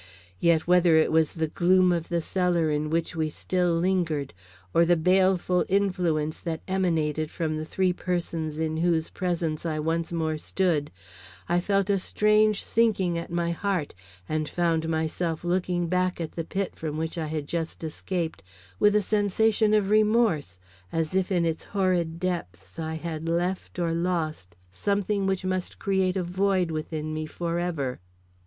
Yet whether it was the gloom of the cellar in which we still lingered, or the baleful influence that emanated, from the three persons in whose presence I once more stood, I felt a strange sinking at my heart and found myself looking back at the pit from which I had just escaped, with a sensation of remorse, as if in its horrid depths I had left or lost something which must create a void within me forever.